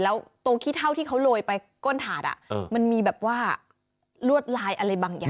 แล้วตัวขี้เท่าที่เขาโรยไปก้นถาดมันมีแบบว่าลวดลายอะไรบางอย่าง